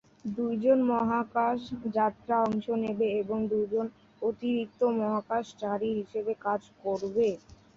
দুই জন মহাকাশ যাত্রায় অংশ নেবে এবং দুজন অতিরিক্ত মহাকাশচারী হিসাবে কাজ করবে।